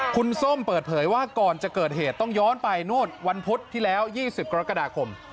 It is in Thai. คุณส้มเปิดเผยว่าก่อนจะเกิดเหตุต้องย้อนไปนู่นวันพุธที่แล้ว๒๐กรกฎาคม